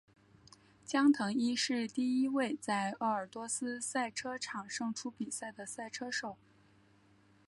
江腾一是第一位在鄂尔多斯赛车场胜出比赛的赛车手。